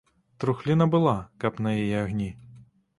Трухліна была, каб на яе агні.